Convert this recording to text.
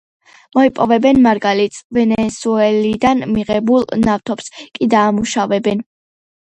მოიპოვებენ მარგალიტს; ვენესუელიდან მიღებულ ნავთობს კი გადაამუშავებენ.